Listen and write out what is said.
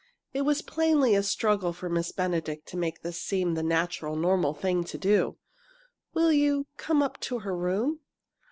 It was plainly a struggle for Miss Benedict to make this seem the natural, normal thing to do. "Will you come up to her room?"